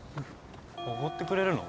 おごってくれるの？